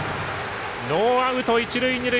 ノーアウト、一塁二塁。